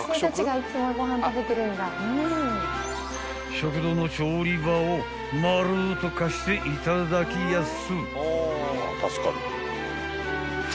［食堂の調理場をまるっと貸していただきやす］